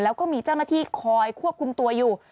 แล้วก็มีเจ้าหน้าที่คอยควบคุมตัวอยู่